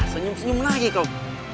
ah senyum senyum lagi kau